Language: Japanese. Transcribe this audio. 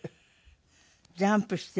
ジャンプしてるの？